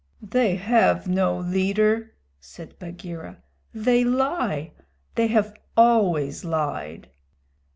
"They have no leader," said Bagheera. "They lie. They have always lied."